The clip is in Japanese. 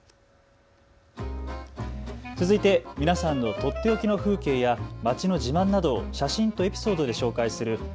続いて皆さんのとっておきの風景や街の自慢などを写真とエピソードで紹介する＃